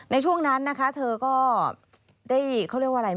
ในช่วงนั้นนะคะเธอก็ได้เขาเรียกว่าอะไร